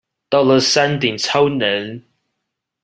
到了山頂超冷